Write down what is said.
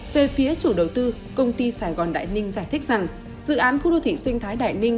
về phía chủ đầu tư công ty sài gòn đại ninh giải thích rằng dự án khu đô thị sinh thái đại ninh